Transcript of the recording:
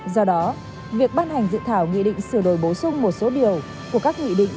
do đó việc ban hành dự thảo nghị định sửa đổi bổ sung một số điều của các nghị định